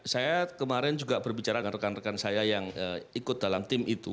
saya kemarin juga berbicara dengan rekan rekan saya yang ikut dalam tim itu